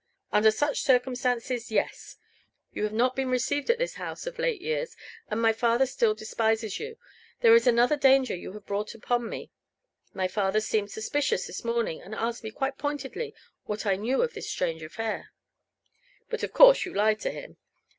"Under such circumstances, yes. You have not been received at this house of late years, and my father still despises you. There is another danger you have brought upon me. My father seemed suspicious this morning, and asked me quite pointedly what I knew of this strange affair." "But of course you lied to him.